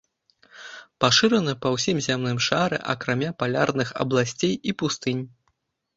Пашыраны па ўсім зямным шары акрамя палярных абласцей і пустынь.